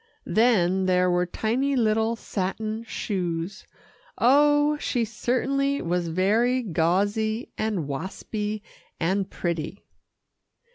Then there were tiny little satin shoes oh! she certainly was very gauzy, and waspy and pretty.